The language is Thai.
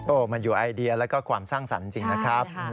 มันอยู่ไอเดียแล้วก็ความสร้างสรรค์จริงนะครับ